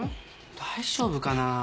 大丈夫かな？